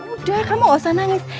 udah kamu gak usah nangis